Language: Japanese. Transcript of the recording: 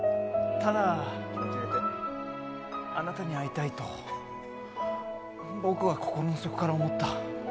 ただ、あなたに会いたいと僕は心の底から思った。